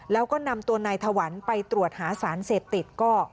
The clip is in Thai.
แล้วก็นำตัวนายถวันไปตรวจหาสารเสพติดก็